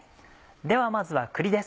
ではまずは栗です。